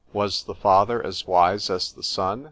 —Was the father as wise as the son?